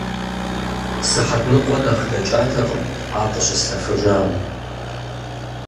Сыхьэт ныкъуэ нэхъ дэкӀатэкъым ар къыщыслъэфыжам.